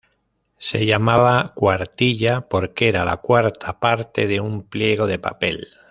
Se llamaba "cuartilla" porque era la cuarta parte de un pliego de papel.